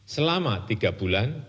selama tiga bulan